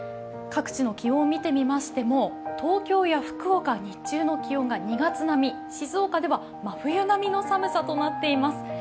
各地の気温を見てみましても、東京や福岡は日中の気温が２月並み、静岡では真冬並みの寒さとなっています。